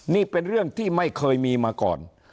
นี่เป็นเรื่องที่ไม่เคยมีมาก่อน